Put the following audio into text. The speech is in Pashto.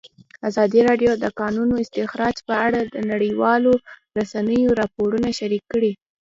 ازادي راډیو د د کانونو استخراج په اړه د نړیوالو رسنیو راپورونه شریک کړي.